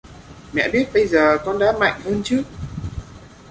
Mẹ biết bây giờ con đã mạnh hơn trước